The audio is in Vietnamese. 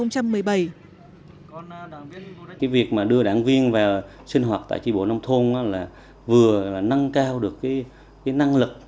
cái việc mà đưa đảng viên vào sinh hoạt tại tri bộ nông thôn là vừa nâng cao được cái năng lực